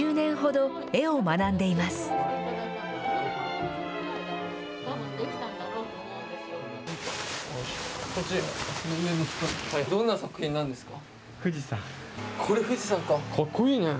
どんな作品なんですか？